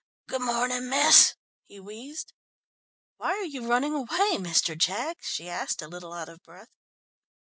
"Good morning, miss," he wheezed. "Why were you running away, Mr. Jaggs?" she asked, a little out of breath.